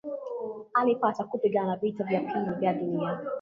Alipata kupigana vita ya pili ya dunia chini